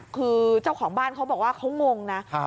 คือเจ้าของบ้านเขาบอกว่าเขางงนะ